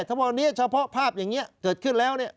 ถ้าวันนี้เฉพาะภาพอย่างนี้เกิดขึ้นแล้วเนี่ย